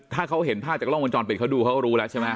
ถ้าเขาเห็นภาพจากล้องบนจรปิดเขารู้แล้วใช่ไหม